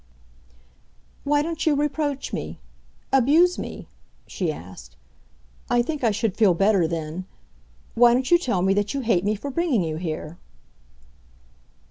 "Why don't you reproach me—abuse me?" she asked. "I think I should feel better then. Why don't you tell me that you hate me for bringing you here?"